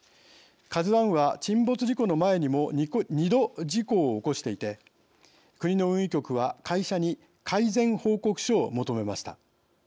「ＫＡＺＵ」は沈没事故の前にも二度、事故を起こしていて国の運輸局は会社に改善報告書を求めました。